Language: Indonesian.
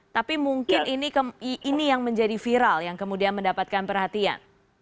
tapi mungkin ini yang menjadi viral yang kemudian mendapatkan perhatian